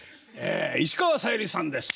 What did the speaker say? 石川さゆりさんです。